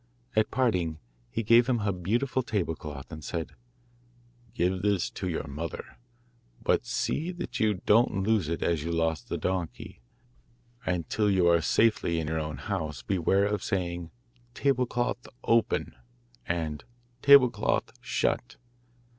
At parting he gave him a beautiful table cloth, and said: 'Give this to your mother; but see that you don't lose it as you lost the donkey, and till you are safely in your own house beware of saying "Table cloth, open," and "Table cloth, shut."